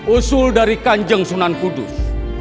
usul dari kanjeng sunan kudus